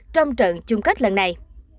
trong trận chung cách lần này